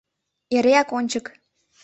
Эреак ончык